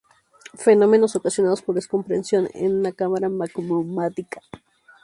Fenómenos ocasionados por "descompresión" en una cámara magmática.